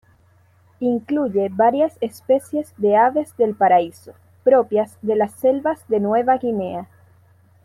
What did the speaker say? Incluye varias especies de aves del paraíso propias de las selvas de Nueva Guinea.